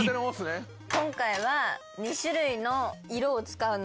今回は。